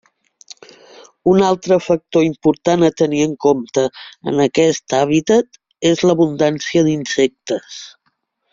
Un altre factor important a tenir en compte en aquest hàbitat és l'abundància d'insectes.